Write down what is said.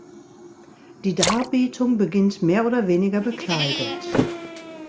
Die Darbietung beginnt mehr oder weniger bekleidet.